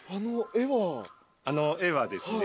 あの絵はですね